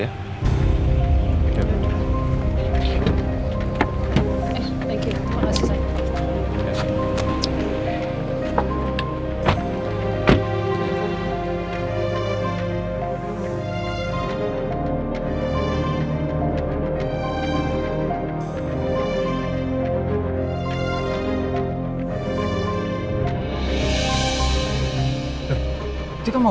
dia tapi mempunyai sikap gila